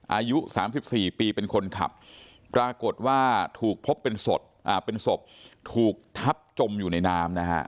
อายุ๓๔ปีเป็นคนขับปรากฏว่าถูกพบเป็นศพเป็นศพถูกทับจมอยู่ในน้ำนะฮะ